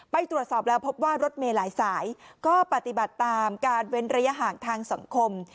ไปตรวจสอบแล้วพบว่ารถเมย์หลายสายก็ปฏิบัติตามการเว้นระยะห่างทางสังคม